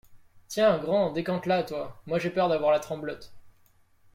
Tiens, grand, décante-la, toi. Moi j’ai peur d’avoir la tremblote.